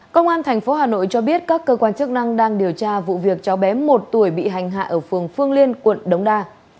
công an tp hà nội cho biết các cơ quan chức năng đang điều tra vụ việc cháu bé một tuổi bị hành hạ ở phường phương liên quận đống đa